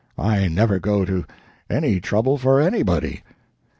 I never go to any trouble for anybody."